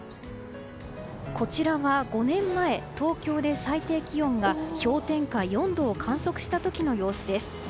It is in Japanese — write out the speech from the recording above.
こちらが、５年前東京で最低気温が氷点下４度を観測した時の様子です。